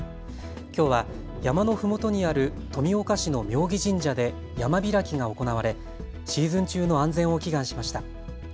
きょうは山のふもとにある富岡市の妙義神社で山開きが行われシーズン中の安全を祈願しました。